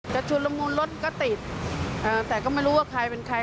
ชุนละมุนรถก็ติดแต่ก็ไม่รู้ว่าใครเป็นใคร